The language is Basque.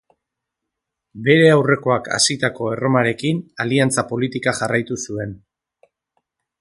Bere aurrekoak hasitako Erromarekin aliantza politika jarraitu zuen.